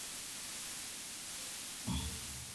پامیر د افغانستان د شنو سیمو ښکلا ده.